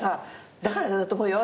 だからだと思うよ」